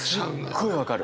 すっごい分かる。